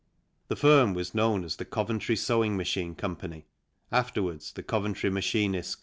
The firm was known as the Coventry Sewing Machine Company (afterwards The Coventry Machinists Co.)